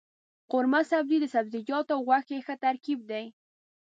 قورمه سبزي د سبزيجاتو او غوښې ښه ترکیب دی.